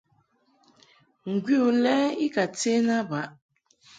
Ngwi u lɛ i ka ten a baʼ.